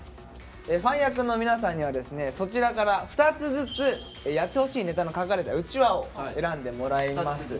ファン役の皆さんにはですねそちらから２つずつやってほしいネタの書かれたうちわを選んでもらいます。